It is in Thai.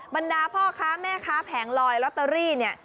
บรรดาพ่อค้าแม่ค้าแผงลอยลอตเตอรี่เนี่ย